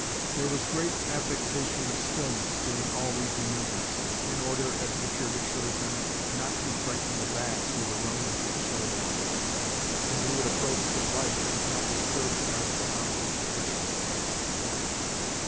There was great affectation of stillness during all these manoeuvers, in order, as Richard assured them, "not to frighten the bass, who were running into the shoal waters, and who would approach the light if not disturbed by the sounds from the fishermen."